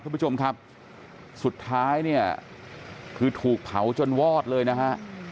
คุณผู้ชมครับสุดท้ายเนี่ยคือถูกเผาจนวอดเลยนะฮะ